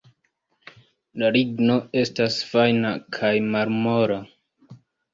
La ligno estas fajna kaj malmola.